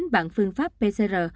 bằng phương pháp pcr